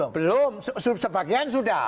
belum sebagian sudah